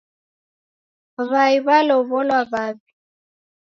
Wai walowolwa wawi